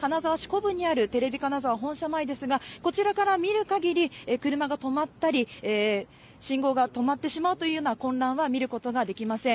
金沢市北部にあるテレビ金沢本社前ですが、こちらから見るかぎり、車が止まったり、信号が止まってしまうような混乱は見ることはできません。